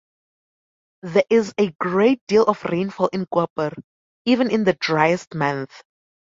There is a great deal of rainfall in Koper, even in the driest month.